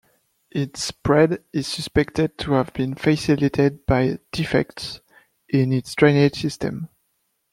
Its spread is suspected to have been facilitated by defects in its drainage system.